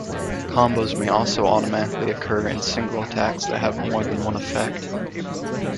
Combos may also automatically occur in single attacks that have more than one effect.